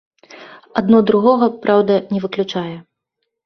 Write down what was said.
Адно другога, праўда, не выключае.